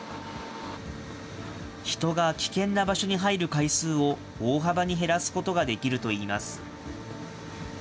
人が危険な場所に入る回数を大幅に減らすことができるといいます。